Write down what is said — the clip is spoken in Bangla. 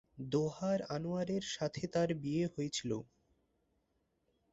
দোহার আনোয়ারের সাথে তার বিয়ে হয়েছিল।